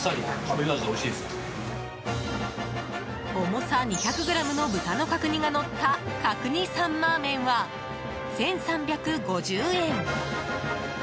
重さ２００ｇの豚の角煮がのった角煮サンマーメンは１３５０円。